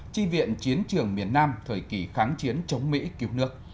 chi viện chiến trường miền nam thời kỳ kháng chiến chống mỹ cứu nước